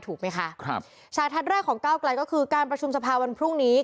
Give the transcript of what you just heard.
ถูกไหมค่ะครับชาติแรกของเก้ากลายก็คือการประชุมสะพาวันพรุ่งนี้